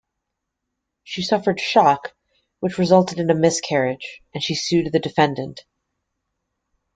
She suffered shock which resulted in a miscarriage, and she sued the defendant.